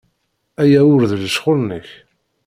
Aya ur d ccɣel-nnek.